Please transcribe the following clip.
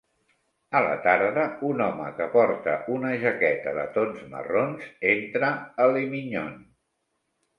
A la tarda, un home que porta una jaqueta de tons marrons entra a Le Mignon.